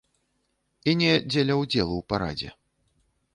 І не дзеля ўдзелу ў парадзе.